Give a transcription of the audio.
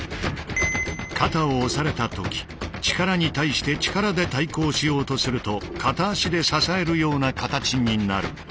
肩を押された時力に対して力で対抗しようとすると片足で支えるような形になる。